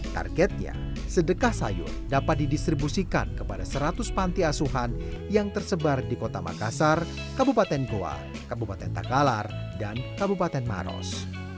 targetnya sedekah sayur dapat didistribusikan kepada seratus panti asuhan yang tersebar di kota makassar kabupaten goa kabupaten takalar dan kabupaten maros